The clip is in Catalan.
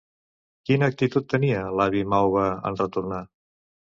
Quina actitud tenia, l'avi Mauva, en retornar?